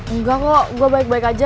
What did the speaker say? enggak kok gue baik baik aja